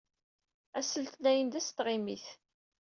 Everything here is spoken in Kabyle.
Ass n letniyen d ass n tɣimit.